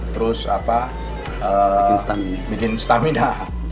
terus bikin stamina